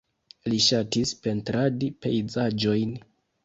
Li ŝatis pentradi pejzaĝojn.